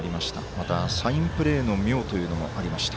また、サインプレーの妙というのもありました。